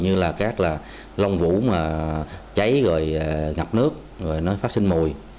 như là các là long vũ mà cháy rồi ngập nước rồi nó phát sinh mùi